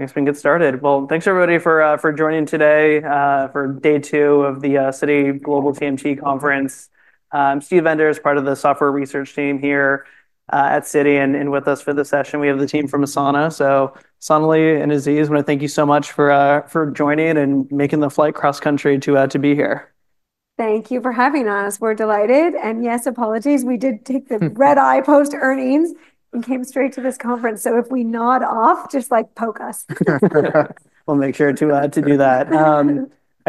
I guess we can get started. Thanks everybody for joining today for day two of the Citi Global TMT Conference. I'm Steve Enders, part of the software research team here at Citi, and with us for the session, we have the team from Asana. Sonalee and Aziz, I want to thank you so much for joining and making the flight cross-country to be here. Thank you for having us. We're delighted. Yes, apologies, we did take the red-eye post earnings and came straight to this conference. If we nod off, just poke us. I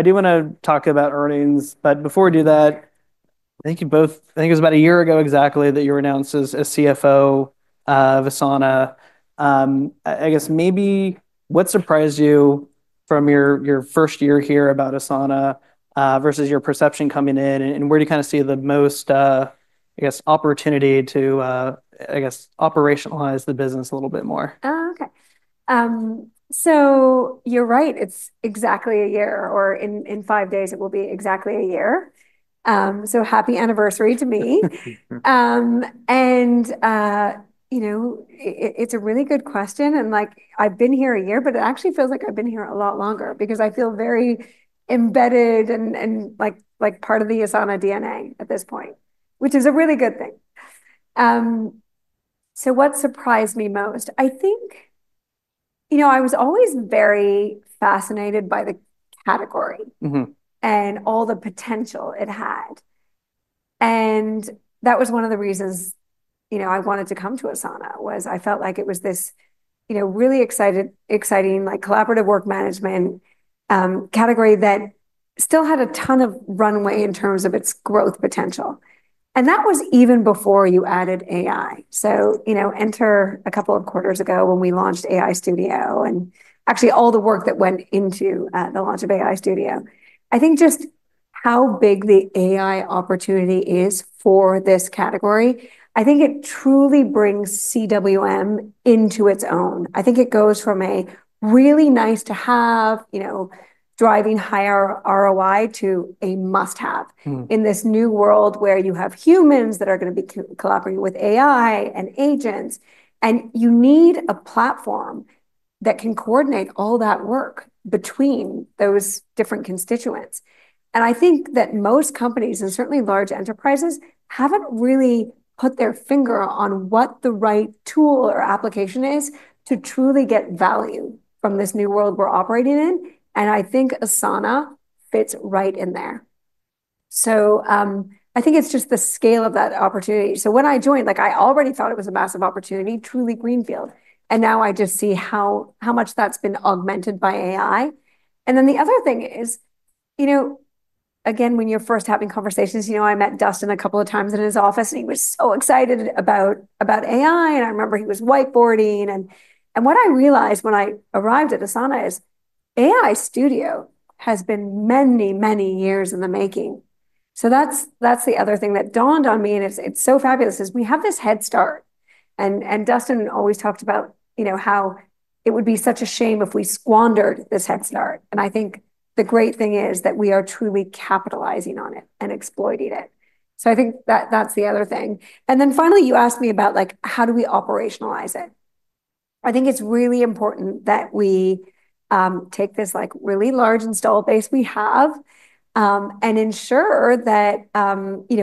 do want to talk about earnings, but before we do that, I think you both, I think it was about a year ago exactly that you were announced as CFO of Asana. I guess maybe what surprised you from your first year here about Asana versus your perception coming in, and where do you kind of see the most, I guess, opportunity to, I guess, operationalize the business a little bit more? Oh, okay. You're right. It's exactly a year, or in five days, it will be exactly a year. Happy anniversary to me. It's a really good question. I've been here a year, but it actually feels like I've been here a lot longer because I feel very embedded and like part of the Asana DNA at this point, which is a really good thing. What surprised me most? I think I was always very fascinated by the category and all the potential it had. That was one of the reasons I wanted to come to Asana. I felt like it was this really exciting, exciting, collaborative work management category that still had a ton of runway in terms of its growth potential. That was even before you added AI. Enter a couple of quarters ago when we launched AI Studio and actually all the work that went into the launch of AI Studio. I think just how big the AI opportunity is for this category. I think it truly brings CWM into its own. It goes from a really nice to have, driving higher ROI, to a must-have in this new world where you have humans that are going to be collaborating with AI and agents. You need a platform that can coordinate all that work between those different constituents. I think that most companies, and certainly large enterprises, haven't really put their finger on what the right tool or application is to truly get value from this new world we're operating in. I think Asana fits right in there. It's just the scale of that opportunity. When I joined, I already thought it was a massive opportunity, truly greenfield. Now I just see how much that's been augmented by AI. The other thing is, when you're first having conversations, I met Dustin a couple of times in his office and he was so excited about AI. I remember he was whiteboarding. What I realized when I arrived at Asana is AI Studio has been many, many years in the making. That's the other thing that dawned on me, and it's so fabulous, is we have this head start. Dustin always talked about how it would be such a shame if we squandered this head start. The great thing is that we are truly capitalizing on it and exploiting it. That's the other thing. Finally, you asked me about how do we operationalize it? I think it's really important that we take this really large install base we have and ensure that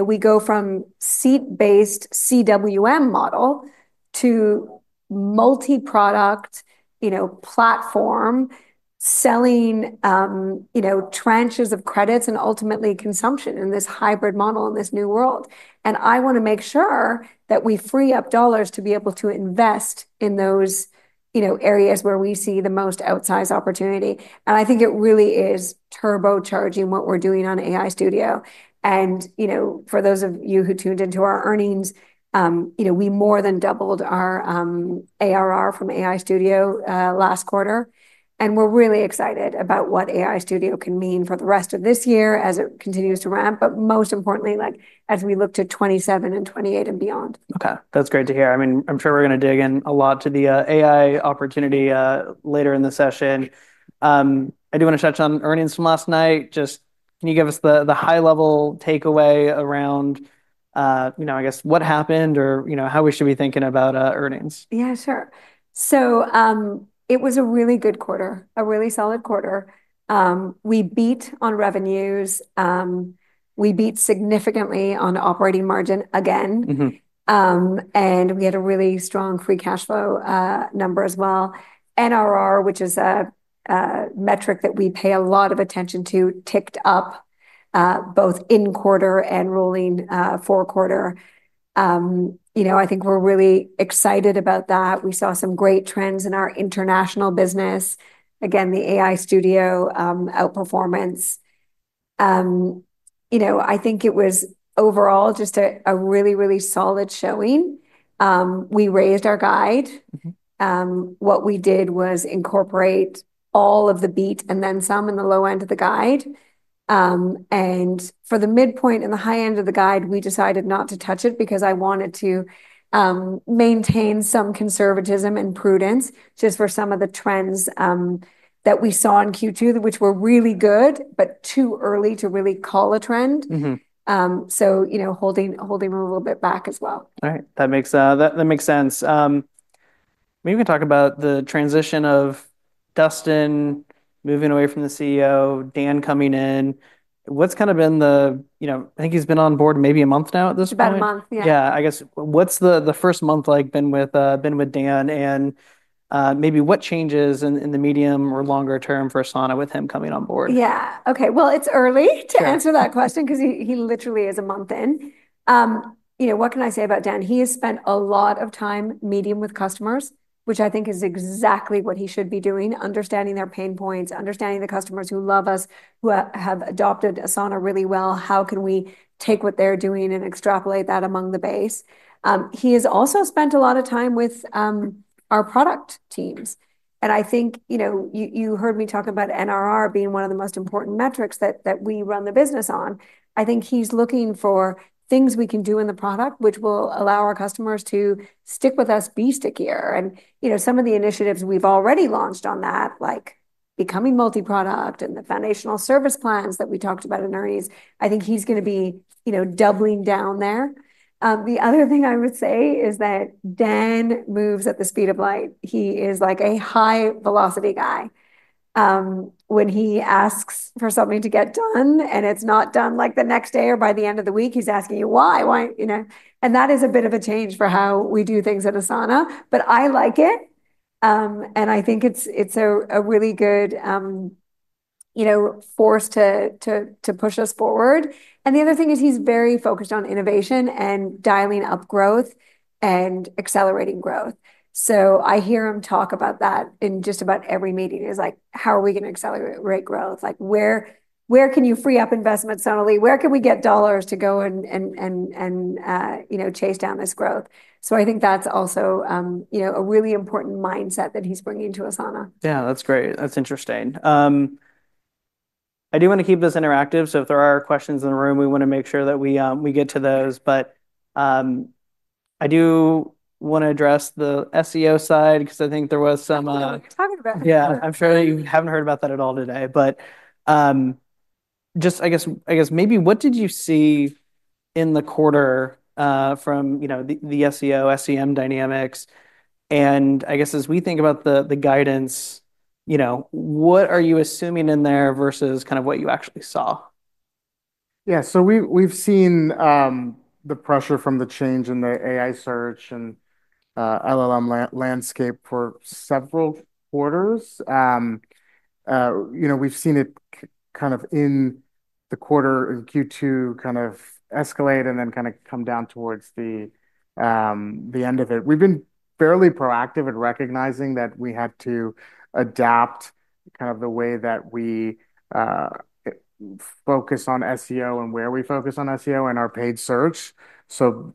we go from seat-based CWM model to multi-product platform selling, trenches of credits, and ultimately consumption in this hybrid model in this new world. I want to make sure that we free up dollars to be able to invest in those areas where we see the most outsized opportunity. I think it really is turbocharging what we're doing on AI Studio. For those of you who tuned into our earnings, we more than doubled our ARR from AI Studio last quarter. We're really excited about what AI Studio can mean for the rest of this year as it continues to ramp, most importantly as we look to 2027 and 2028 and beyond. Okay, that's great to hear. I'm sure we're going to dig in a lot to the AI opportunity later in the session. I do want to touch on earnings from last night. Can you give us the high-level takeaway around what happened or how we should be thinking about earnings? Yeah, sure. It was a really good quarter, a really solid quarter. We beat on revenues. We beat significantly on operating margin again, and we had a really strong free cash flow number as well. NRR, which is a metric that we pay a lot of attention to, ticked up, both in quarter and rolling four quarter. I think we're really excited about that. We saw some great trends in our international business. Again, the AI Studio outperformance. I think it was overall just a really, really solid showing. We raised our guide. What we did was incorporate all of the beat and then some in the low end of the guide. For the midpoint and the high end of the guide, we decided not to touch it because I wanted to maintain some conservatism and prudence just for some of the trends that we saw in Q2, which were really good, but too early to really call a trend. Holding them a little bit back as well. All right. That makes sense. Maybe we can talk about the transition of Dustin moving away from the CEO, Dan coming in. What's kind of been the, you know, I think he's been on board maybe a month now at this point. About a month, yeah. Yeah, I guess what's the first month been like with Dan, and maybe what changes in the medium or longer term for Asana with him coming on board? Okay. It's early to answer that question because he literally is a month in. You know, what can I say about Dan? He has spent a lot of time meeting with customers, which I think is exactly what he should be doing, understanding their pain points, understanding the customers who love us, who have adopted Asana really well. How can we take what they're doing and extrapolate that among the base? He has also spent a lot of time with our product teams. I think you heard me talk about NRR being one of the most important metrics that we run the business on. I think he's looking for things we can do in the product, which will allow our customers to stick with us, be stickier. Some of the initiatives we've already launched on that, like becoming multi-product and the foundational service plans that we talked about in earlies, I think he's going to be doubling down there. The other thing I would say is that Dan moves at the speed of light. He is like a high-velocity guy. When he asks for something to get done and it's not done like the next day or by the end of the week, he's asking you why, why, you know, and that is a bit of a change for how we do things at Asana, but I like it. I think it's a really good force to push us forward. The other thing is he's very focused on innovation and dialing up growth and accelerating growth. I hear him talk about that in just about every meeting. It's like, how are we going to accelerate rate growth? Where can you free up investments, Sonalee? Where can we get dollars to go and chase down this growth? I think that's also a really important mindset that he's bringing to Asana. Yeah, that's great. That's interesting. I do want to keep this interactive. If there are questions in the room, we want to make sure that we get to those. I do want to address the SEO side because I think there was some talking about it. I'm sure that you haven't heard about that at all today. I guess maybe what did you see in the quarter from the SEO, SEM dynamics? As we think about the guidance, what are you assuming in there versus what you actually saw? Yeah, so we've seen the pressure from the change in the AI search and LLM landscape for several quarters. We've seen it in the quarter in Q2 escalate and then come down towards the end of it. We've been fairly proactive in recognizing that we had to adapt the way that we focus on SEO and where we focus on SEO and our paid search.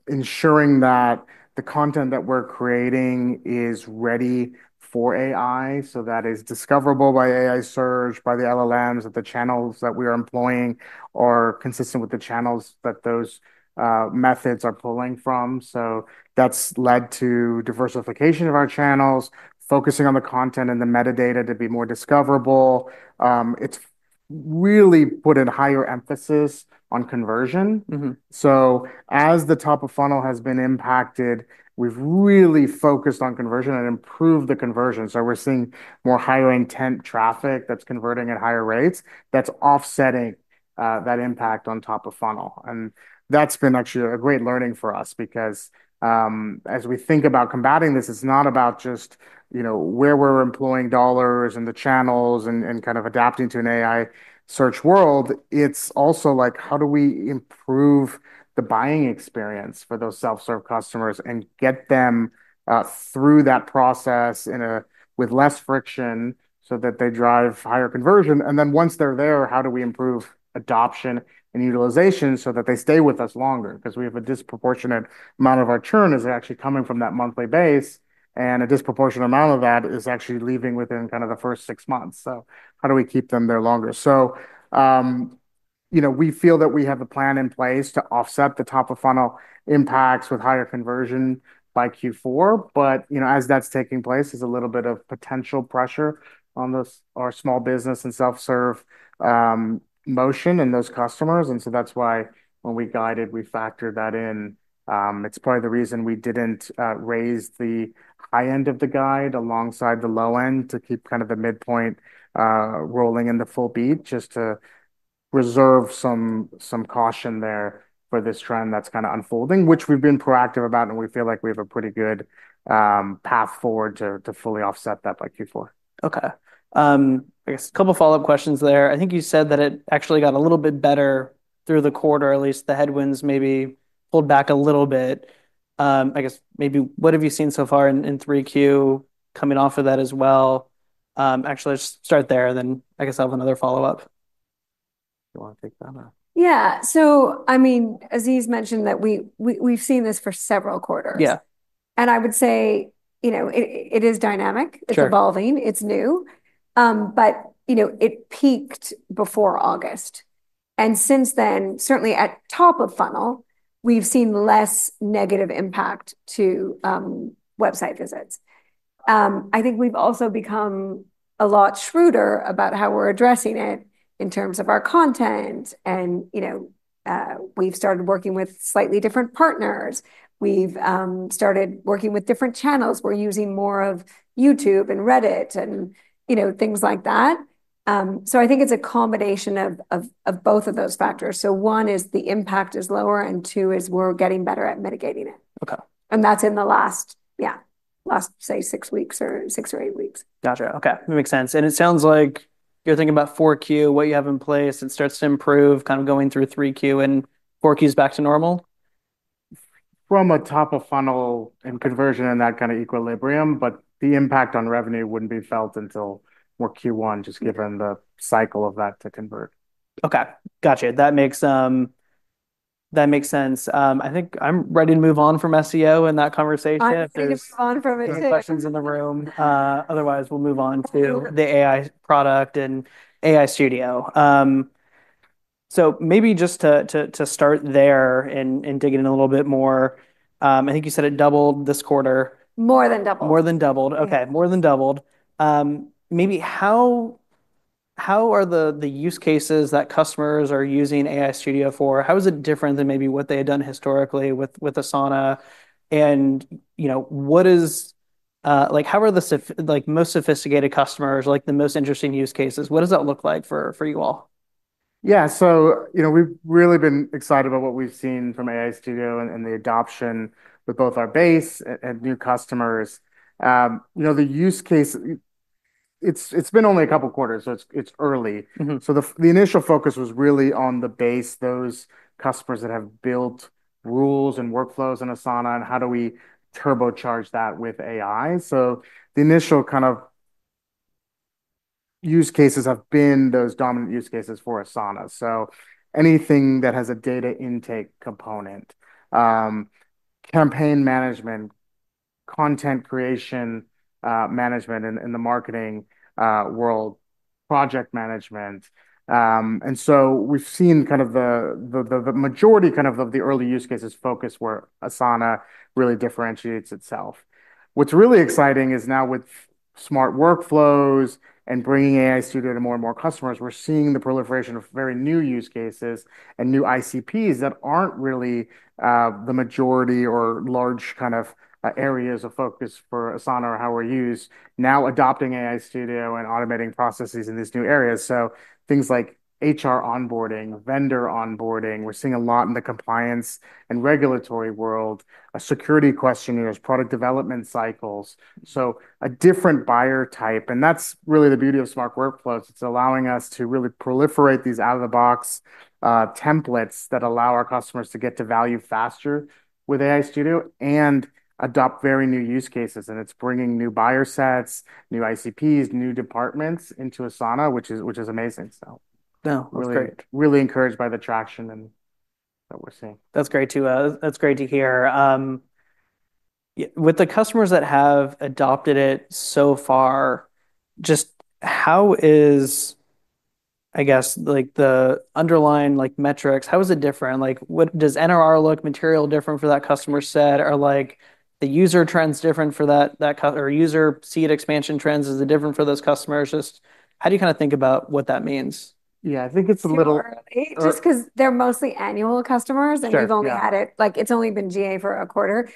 Ensuring that the content that we're creating is ready for AI, so that it is discoverable by AI search, by the LLMs, and that the channels that we are employing are consistent with the channels that those methods are pulling from. That has led to diversification of our channels, focusing on the content and the metadata to be more discoverable. It's really put a higher emphasis on conversion. As the top of funnel has been impacted, we've really focused on conversion and improved the conversion. We're seeing more higher intent traffic that's converting at higher rates that's offsetting that impact on top of funnel. That's been actually a great learning for us because as we think about combating this, it's not about just where we're employing dollars and the channels and adapting to an AI search world. It's also like, how do we improve the buying experience for those self-serve customers and get them through that process with less friction so that they drive higher conversion? Once they're there, how do we improve adoption and utilization so that they stay with us longer? We have a disproportionate amount of our churn actually coming from that monthly base, and a disproportionate amount of that is actually leaving within the first six months. How do we keep them there longer? We feel that we have a plan in place to offset the top of funnel impacts with higher conversion by Q4. As that's taking place, there's a little bit of potential pressure on our small business and self-serve motion and those customers. That's why when we guided, we factored that in. It's probably the reason we didn't raise the high end of the guide alongside the low end to keep the midpoint rolling in the full beat, just to reserve some caution there for this trend that's unfolding, which we've been proactive about, and we feel like we have a pretty good path forward to fully offset that by Q4. Okay. I guess a couple of follow-up questions there. I think you said that it actually got a little bit better through the quarter, at least the headwinds maybe pulled back a little bit. What have you seen so far in 3Q coming off of that as well? Let's start there, and then I guess I'll have another follow-up. Do you want to take that? Yeah, as he's mentioned, we've seen this for several quarters. I would say it is dynamic, it's evolving, it's new, but it peaked before August. Since then, certainly at top of funnel, we've seen less negative impact to website visits. I think we've also become a lot shrewder about how we're addressing it in terms of our content. We've started working with slightly different partners, started working with different channels, and we're using more of YouTube and Reddit and things like that. I think it's a combination of both of those factors. One is the impact is lower, and two is we're getting better at mitigating it. That's in the last, yeah, last say six weeks or six or eight weeks. Gotcha. Okay, that makes sense. It sounds like you're thinking about 4Q, what you have in place, it starts to improve kind of going through 3Q and 4Q is back to normal? From a top of funnel and conversion and that kind of equilibrium, the impact on revenue wouldn't be felt until more Q1, just given the cycle of that to convert. Okay, gotcha. That makes sense. I think I'm ready to move on from SEO in that conversation. Yeah, I think it's on from it. Any questions in the room? Otherwise, we'll move on to the AI product and AI Studio. Maybe just to start there and dig in a little bit more. I think you said it doubled this quarter. More than doubled. More than doubled. Okay, more than doubled. How are the use cases that customers are using AI Studio for? How is it different than what they had done historically with Asana? What is, like how are the most sophisticated customers, like the most interesting use cases? What does that look like for you all? Yeah, so you know, we've really been excited about what we've seen from AI Studio and the adoption with both our base and new customers. You know, the use case, it's been only a couple of quarters, so it's early. The initial focus was really on the base, those customers that have built rules and workflows on Asana, and how do we turbocharge that with AI? The initial kind of use cases have been those dominant use cases for Asana. Anything that has a data intake component, campaign management, content creation, management in the marketing world, project management. We've seen the majority of the early use cases focus where Asana really differentiates itself. What's really exciting is now with smart workflows and bringing AI Studio to more and more customers, we're seeing the proliferation of very new use cases and new ICPs that aren't really the majority or large areas of focus for Asana or how we're used now adopting AI Studio and automating processes in these new areas. Things like HR onboarding, vendor onboarding, we're seeing a lot in the compliance and regulatory world, security questionnaires, product development cycles. A different buyer type, and that's really the beauty of smart workflows. It's allowing us to really proliferate these out-of-the-box templates that allow our customers to get to value faster with AI Studio and adopt very new use cases. It's bringing new buyer sets, new ICPs, new departments into Asana, which is amazing. Really encouraged by the traction that we're seeing. That's great to hear. With the customers that have adopted it so far, how is the underlying metrics, how is it different? What does NRR look like, is it materially different for that customer set? Are the user trends different for that customer or user seat expansion trends? Is it different for those customers? How do you kind of think about what that means? Yeah, I think it's a little. Just because they're mostly annual customers and we've only had it, like it's only been GA for a quarter.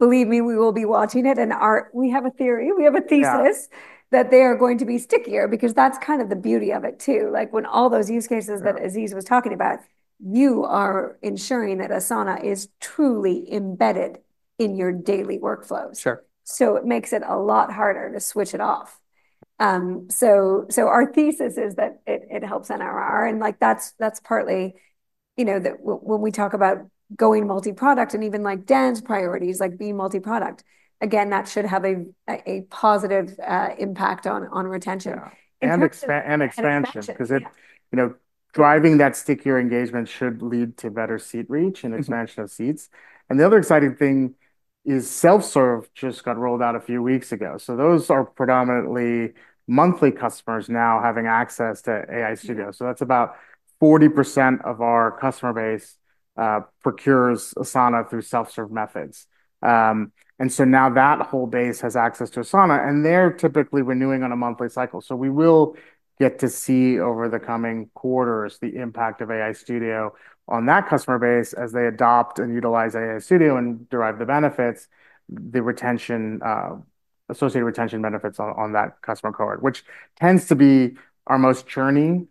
Believe me, we will be watching it and we have a theory, we have a thesis that they are going to be stickier because that's kind of the beauty of it too. When all those use cases that Aziz was talking about, you are ensuring that Asana is truly embedded in your daily workflows. It makes it a lot harder to switch it off. Our thesis is that it helps NRR and that's partly, you know, that when we talk about going multi-product and even like Dan's priorities, like being multi-product, again, that should have a positive impact on retention. And expansion because it, you know, driving that stickier engagement should lead to better seat reach and expansion of seats. The other exciting thing is self-serve just got rolled out a few weeks ago. Those are predominantly monthly customers now having access to AI Studio. That's about 40% of our customer base, procures Asana through self-serve methods, and so now that whole base has access to Asana and they're typically renewing on a monthly cycle. We will get to see over the coming quarters the impact of AI Studio on that customer base as they adopt and utilize AI Studio and derive the benefits, the retention, associated retention benefits on that customer cohort, which tends to be our most churning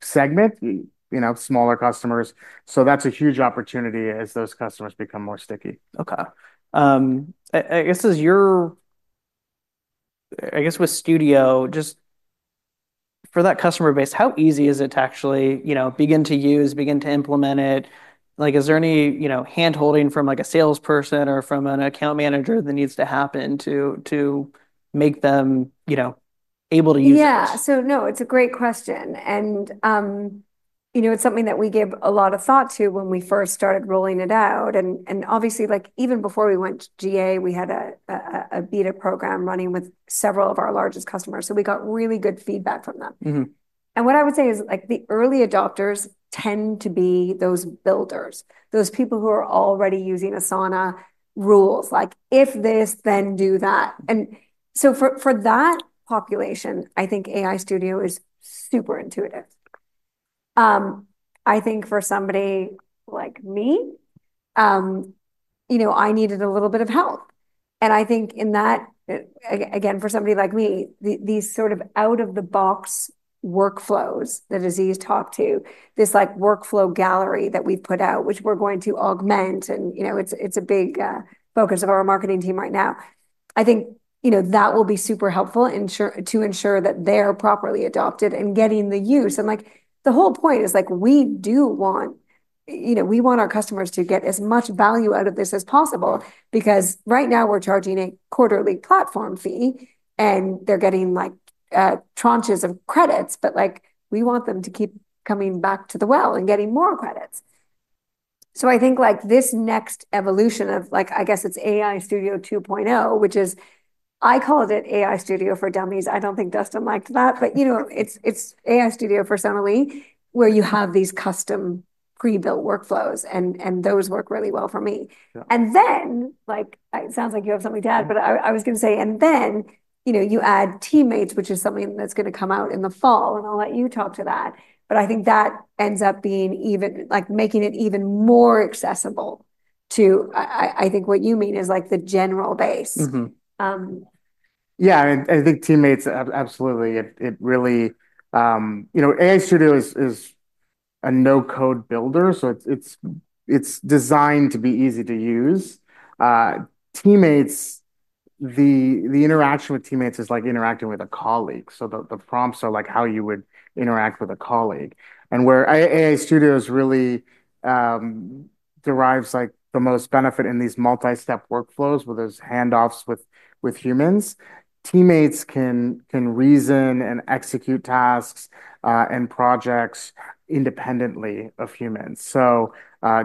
segment, you know, smaller customers. That's a huge opportunity as those customers become more sticky. Okay. I guess with Studio, just for that customer base, how easy is it to actually begin to use, begin to implement it? Is there any handholding from a salesperson or from an account manager that needs to happen to make them able to use it? Yeah, it's a great question. It's something that we give a lot of thought to when we first started rolling it out. Obviously, even before we went to GA, we had a beta program running with several of our largest customers. We got really good feedback from them. What I would say is the early adopters tend to be those builders, those people who are already using Asana rules, like if this, then do that. For that population, I think AI Studio is super intuitive. I think for somebody like me, I needed a little bit of help. For somebody like me, these sort of out-of-the-box workflows that Aziz talked to, this workflow gallery that we've put out, which we're going to augment, and it's a big focus of our marketing team right now, I think that will be super helpful to ensure that they're properly adopted and getting the use. The whole point is we want our customers to get as much value out of this as possible because right now we're charging a quarterly platform fee and they're getting tranches of credits, but we want them to keep coming back to the well and getting more credits. I think this next evolution of, I guess it's AI Studio 2.0, which is, I called it AI Studio for dummies. I don't think Dustin liked that, but it's AI Studio for Sonalee where you have these custom pre-built workflows and those work really well for me. It sounds like you have something to add, but I was going to say, you add Teammates, which is something that's going to come out in the fall, and I'll let you talk to that. I think that ends up making it even more accessible to, I think what you mean is the general base. Yeah, I mean, I think Teammates absolutely, it really, you know, AI Studio is a no-code builder, so it's designed to be easy to use. Teammates, the interaction with Teammates is like interacting with a colleague. The prompts are like how you would interact with a colleague. Where AI Studio really derives the most benefit is in these multi-step workflows where there's handoffs with humans. Teammates can reason and execute tasks and projects independently of humans,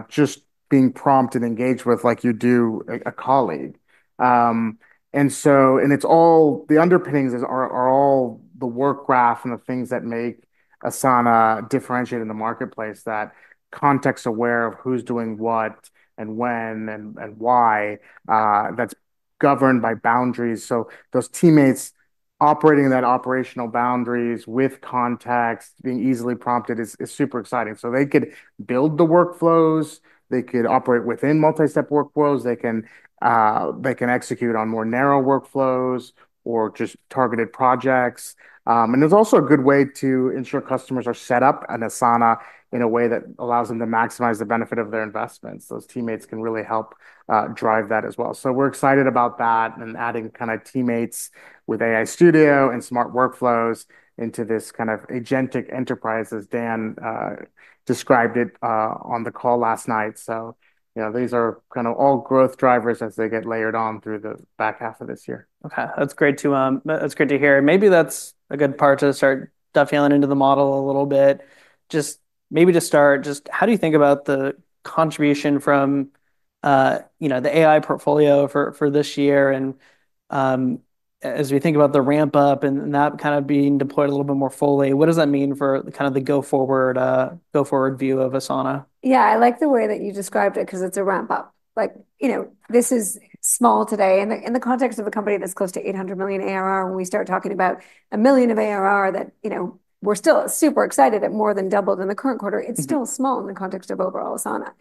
just being prompt and engaged like you do with a colleague. It's all the underpinnings, all the work graph and the things that make Asana differentiate in the marketplace, that context is aware of who's doing what and when and why. That's governed by boundaries. Those Teammates operate in that operational boundary, with context being easily prompted, which is super exciting. They could build the workflows, they could operate within multi-step workflows, they can execute on more narrow workflows or just targeted projects. It's also a good way to ensure customers are set up on Asana in a way that allows them to maximize the benefit of their investments. Those Teammates can really help drive that as well. We're excited about that and adding kind of Teammates with AI Studio and smart workflows into this kind of agentic enterprise as Dan described it on the call last night. These are all growth drivers as they get layered on through the back half of this year. Okay, that's great to hear. Maybe that's a good part to start delving into the model a little bit. Just to start, how do you think about the contribution from the AI portfolio for this year? As we think about the ramp-up and that kind of being deployed a little bit more fully, what does that mean for the go-forward view of Asana? Yeah, I like the way that you described it because it's a ramp-up. Like, you know, this is small today in the context of a company that's close to $800 million ARR. When we start talking about $1 million of ARR, that, you know, we're still super excited it more than doubled in the current quarter. It's still small in the context of overall Asana,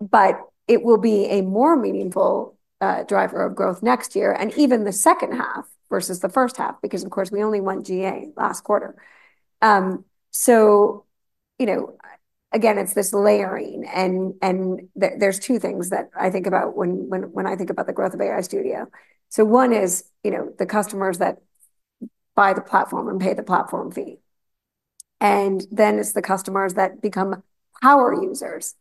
but it will be a more meaningful driver of growth next year and even the second half versus the first half because, of course, we only went GA last quarter. You know, again, it's this layering. There are two things that I think about when I think about the growth of AI Studio. One is the customers that buy the platform and pay the platform fee. Then it's the customers that become power users.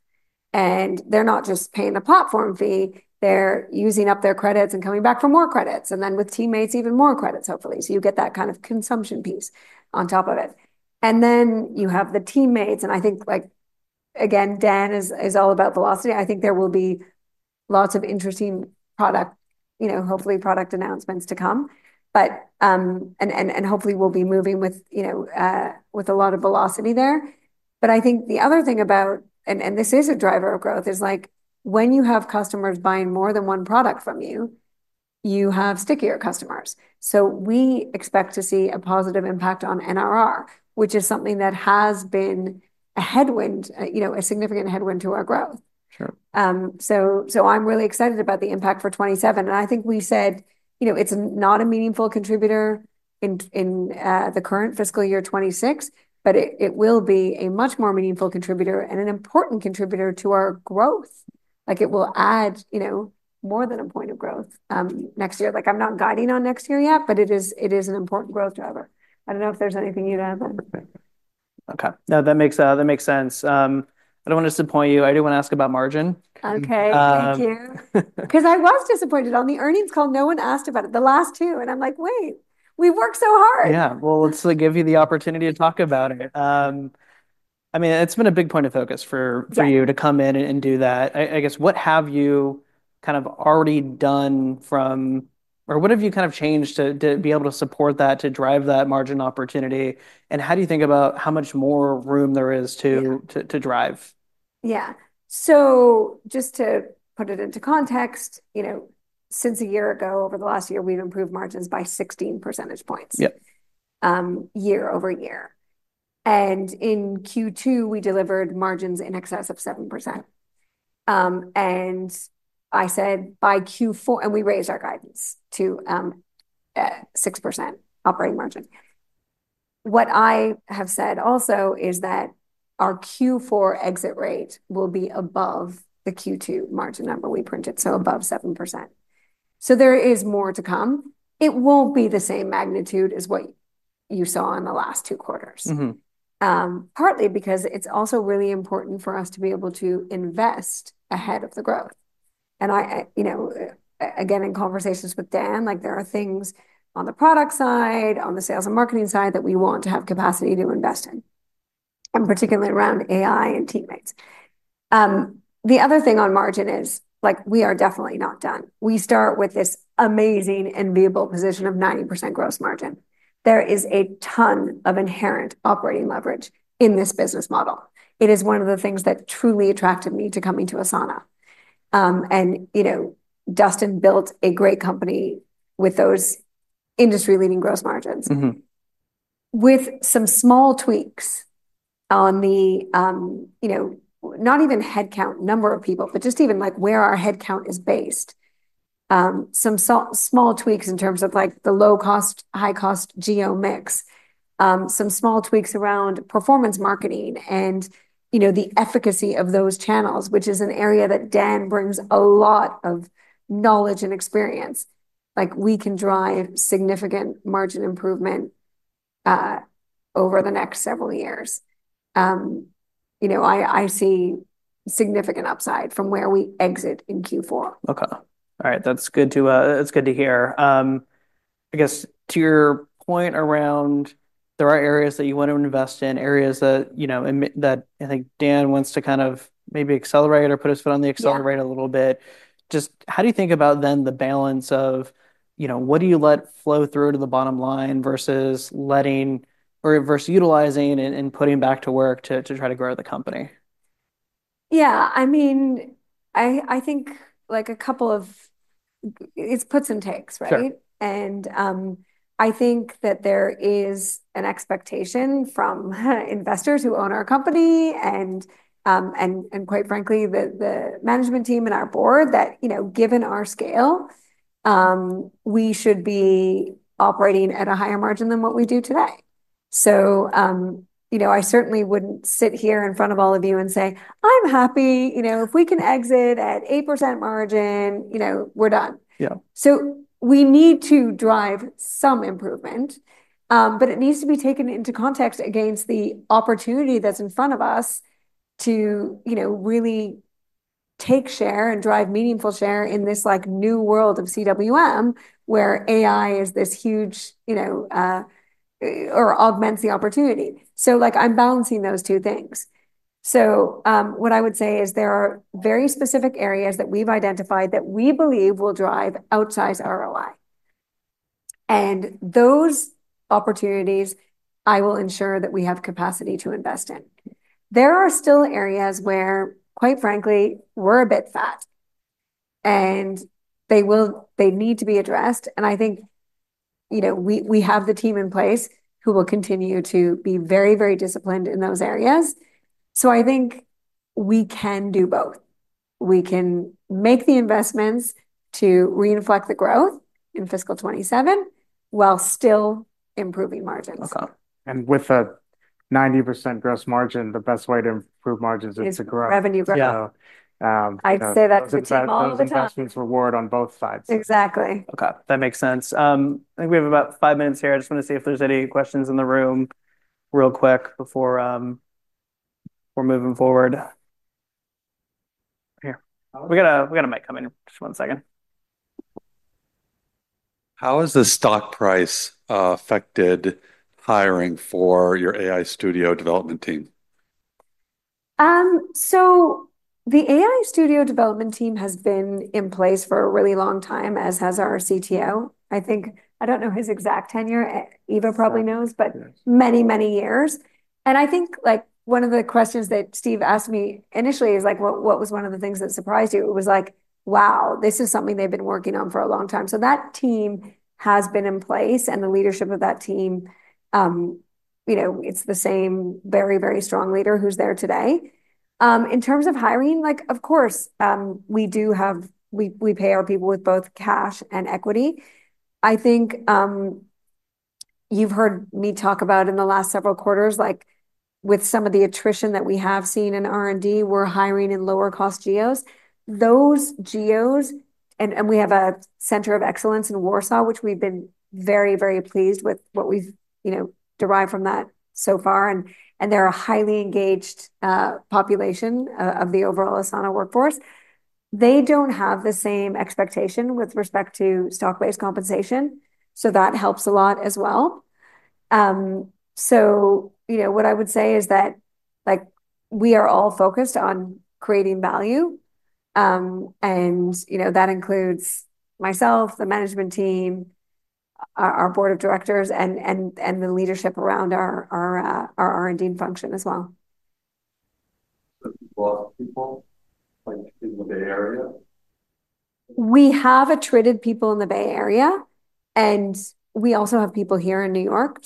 They're not just paying the platform fee, they're using up their credits and coming back for more credits. Then with Teammates, even more credits, hopefully. You get that kind of consumption piece on top of it. Then you have the Teammates. I think, like, again, Dan is all about velocity. I think there will be lots of interesting product, you know, hopefully product announcements to come, and hopefully we'll be moving with a lot of velocity there. I think the other thing about, and this is a driver of growth, is when you have customers buying more than one product from you, you have stickier customers. We expect to see a positive impact on NRR, which is something that has been a headwind, a significant headwind to our growth. I'm really excited about the impact for 2027. I think we said it's not a meaningful contributor in the current fiscal year 2026, but it will be a much more meaningful contributor and an important contributor to our growth. It will add more than a point of growth next year. I'm not guiding on next year yet, but it is an important growth driver. I don't know if there's anything you'd add then. Okay, that makes sense. I don't want to disappoint you. I do want to ask about margin. Okay. Thank you. I was disappointed on the earnings call. No one asked about it the last two, and I'm like, wait, we've worked so hard. Let's give you the opportunity to talk about it. I mean, it's been a big point of focus for you to come in and do that. I guess what have you kind of already done, or what have you kind of changed to be able to support that, to drive that margin opportunity? How do you think about how much more room there is to drive? Yeah. Just to put it into context, since a year ago, over the last year, we've improved margins by 16 percentage points, year- over -year. In Q2, we delivered margins in excess of 7%. I said by Q4, and we raised our guidance to 6% operating margin. What I have said also is that our Q4 exit rate will be above the Q2 margin number we printed, so above 7%. There is more to come. It won't be the same magnitude as what you saw in the last two quarters, partly because it's also really important for us to be able to invest ahead of the growth. In conversations with Dan, there are things on the product side, on the sales and marketing side that we want to have capacity to invest in, and particularly around AI and Teammates. The other thing on margin is we are definitely not done. We start with this amazing enviable position of 90% gross margin. There is a ton of inherent operating leverage in this business model. It is one of the things that truly attracted me to coming to Asana. Dustin built a great company with those industry-leading gross margins. With some small tweaks on the, not even headcount number of people, but just even like where our headcount is based, some small tweaks in terms of the low-cost, high-cost geo mix, some small tweaks around performance marketing and the efficacy of those channels, which is an area that Dan brings a lot of knowledge and experience, we can drive significant margin improvement over the next several years. I see significant upside from where we exit in Q4. All right. That's good to hear. I guess to your point around there are areas that you want to invest in, areas that I think Dan wants to kind of maybe accelerate or put his foot on the accelerator a little bit. Just how do you think about then the balance of what do you let flow through to the bottom line versus utilizing and putting back to work to try to grow the company? Yeah, I mean, I think like a couple of it's puts and takes, right? I think that there is an expectation from investors who own our company and, quite frankly, the management team and our board that, you know, given our scale, we should be operating at a higher margin than what we do today. I certainly wouldn't sit here in front of all of you and say, I'm happy, you know, if we can exit at 8% margin, you know, we're done. We need to drive some improvement, but it needs to be taken into context against the opportunity that's in front of us to really take share and drive meaningful share in this new world of CWM where AI is this huge, you know, or augments the opportunity. I'm balancing those two things. What I would say is there are very specific areas that we've identified that we believe will drive outsized ROI. Those opportunities I will ensure that we have capacity to invest in. There are still areas where, quite frankly, we're a bit fat and they need to be addressed. I think we have the team in place who will continue to be very, very disciplined in those areas. I think we can do both. We can make the investments to reinflict the growth in fiscal 2027 while still improving margins. With a 90% gross margin, the best way to improve margins is to grow. Revenue growth. I'd say that all the time. It's a consistency reward on both sides. Exactly. Okay, that makes sense. I think we have about five minutes here. I just want to see if there's any questions in the room real quick before we're moving forward. Here, we got a mic coming. Just one second. How has the stock price affected hiring for your AI Studio development team? The AI Studio development team has been in place for a really long time, as has our CTO. I think, I don't know his exact tenure. Eva probably knows, but many, many years. One of the questions that Steve asked me initially is like, what was one of the things that surprised you? It was like, wow, this is something they've been working on for a long time. That team has been in place and the leadership of that team, you know, it's the same very, very strong leader who's there today. In terms of hiring, of course, we do have, we pay our people with both cash and equity. I think you've heard me talk about in the last several quarters, like with some of the attrition that we have seen in R&D, we're hiring in lower-cost geos. Those geos, and we have a center of excellence in Warsaw, which we've been very, very pleased with what we've derived from that so far. They're a highly engaged population of the overall Asana workforce. They don't have the same expectation with respect to stock-based compensation. That helps a lot as well. What I would say is that we are all focused on creating value, and that includes myself, the management team, our board of directors, and the leadership around our R&D function as well. We have attrited people in the Bay Area, and we also have people here in New York.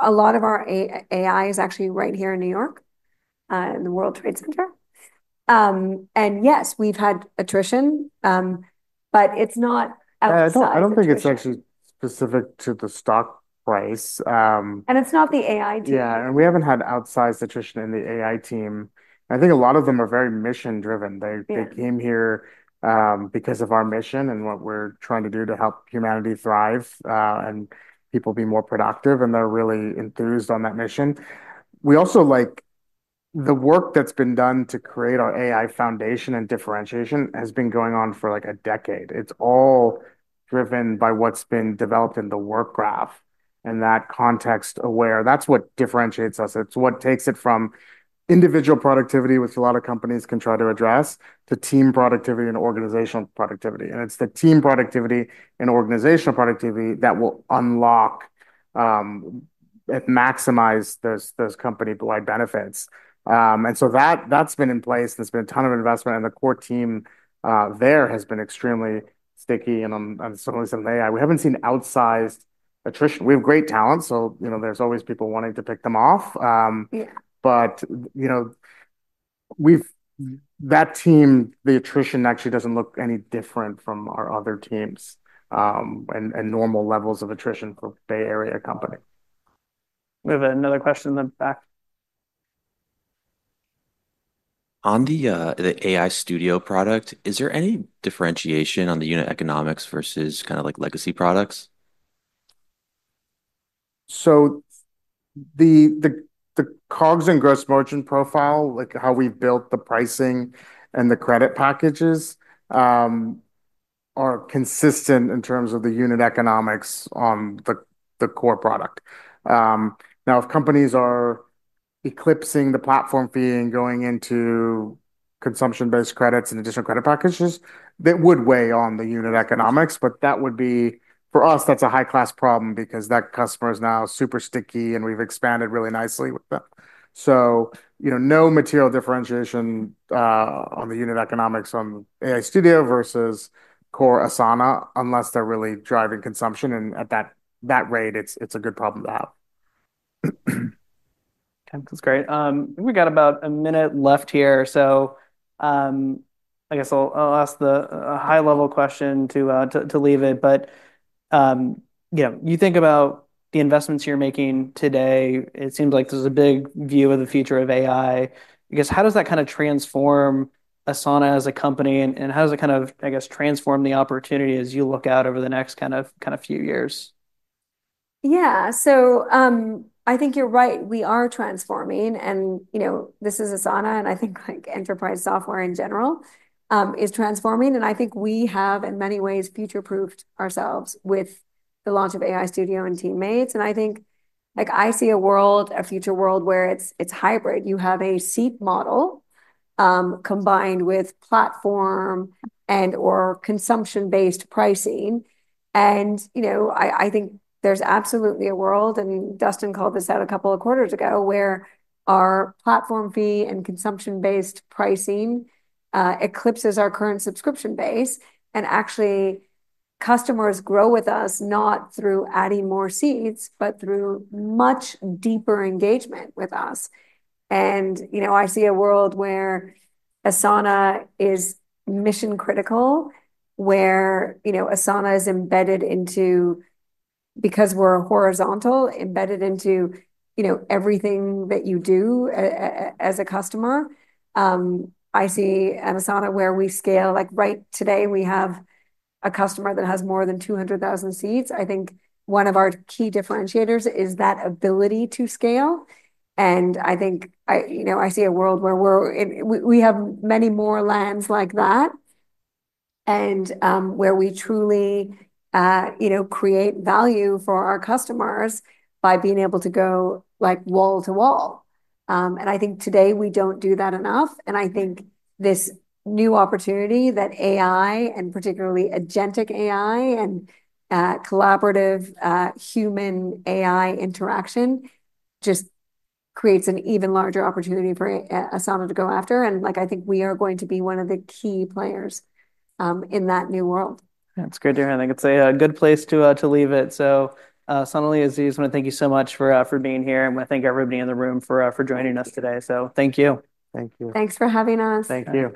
A lot of our AI is actually right here in New York, in the World Trade Center. Yes, we've had attrition, but it's not outside. I don't think it's actually specific to the stock price. It's not the AI team. Yeah, and we haven't had outsized attrition in the AI team. I think a lot of them are very mission-driven. They came here because of our mission and what we're trying to do to help humanity thrive and people be more productive, and they're really enthused on that mission. We also like the work that's been done to create our AI foundation, and differentiation has been going on for like a decade. It's all driven by what's been developed in the work graph and that context-aware. That's what differentiates us. It's what takes it from individual productivity, which a lot of companies can try to address, to team productivity and organizational productivity. It's the team productivity and organizational productivity that will unlock, maximize those company-like benefits. That has been in place, and there's been a ton of investment, and the core team there has been extremely sticky. On certainly some of the AI, we haven't seen outsized attrition. We have great talent, so there's always people wanting to pick them off. That team, the attrition actually doesn't look any different from our other teams, and normal levels of attrition for Bay Area company. We have another question in the back. On the AI Studio product, is there any differentiation on the unit economics versus kind of like legacy products? The cogs and gross margin profile, like how we've built the pricing and the credit packages, are consistent in terms of the unit economics on the core product. Now if companies are eclipsing the platform fee and going into consumption-based credits and additional credit packages, that would weigh on the unit economics, but that would be, for us, that's a high-class problem because that customer is now super sticky and we've expanded really nicely with them. You know, no material differentiation on the unit economics on AI Studio versus core Asana unless they're really driving consumption and at that rate, it's a good problem to have. Okay, that's great. We've got about a minute left here. I guess I'll ask a high-level question to leave it. You think about the investments you're making today. It seems like there's a big view of the future of AI. How does that kind of transform Asana as a company, and how does it kind of transform the opportunity as you look out over the next few years? Yeah, I think you're right. We are transforming and this is Asana, and I think enterprise software in general is transforming. I think we have in many ways future-proofed ourselves with the launch of AI Studio and Teammates. I see a future world where it's hybrid. You have a seat model combined with platform and/or consumption-based pricing. I think there's absolutely a world, and Dustin called this out a couple of quarters ago, where our platform fee and consumption-based pricing eclipses our current subscription base and actually customers grow with us not through adding more seats but through much deeper engagement with us. I see a world where Asana is mission-critical, where Asana is embedded into, because we're a horizontal, embedded into everything that you do as a customer. I see an Asana where we scale. Right now, we have a customer that has more than 200,000 seats. I think one of our key differentiators is that ability to scale, and I see a world where we have many more lands like that and where we truly create value for our customers by being able to go wall to wall. I think today we don't do that enough, and I think this new opportunity that AI and particularly agentic AI and collaborative human-AI interaction creates an even larger opportunity for Asana to go after. I think we are going to be one of the key players in that new world. That's great to hear. I think it's a good place to leave it. Sonalee, Aziz, I want to thank you so much for being here. I want to thank everybody in the room for joining us today. Thank you. Thank you. Thanks for having us. Thank you.